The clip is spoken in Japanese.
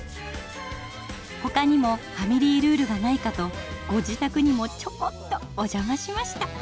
ほかにもファミリールールがないかとご自宅にもチョコっとおじゃましました。